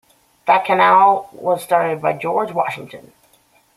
That canal was started by George Washington.